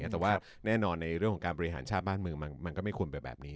แต่ว่าแน่นอนในเรื่องของการบริหารชาติบ้านเมืองมันก็ไม่ควรเป็นแบบนี้